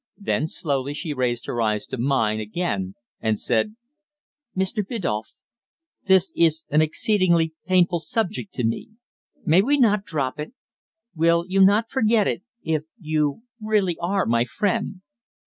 Then slowly she raised her eyes to mine again, and said "Mr. Biddulph, this is an exceedingly painful subject to me. May we not drop it? Will you not forget it if you really are my friend?"